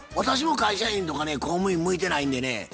私も会社員とかね公務員向いてないんでね